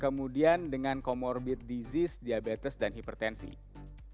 kemudian dengan comorbid disease diabetes dan kondisi yang sangat tinggi